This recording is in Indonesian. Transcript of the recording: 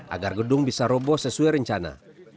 agar gedung bisa roboh sesuai rencana